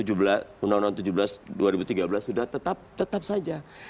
undang undang tujuh belas dua ribu tiga belas sudah tetap saja